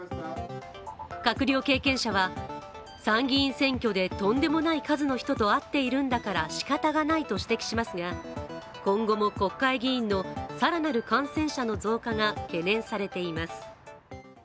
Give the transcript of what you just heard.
閣僚経験者は、参議院選挙でとんでもない数の人と会っているんだからしかたがないと指摘しますが今後も国会議員の更なる感染者の増加が懸念されています。